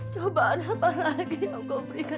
coba ada apa lagi yang kau berikan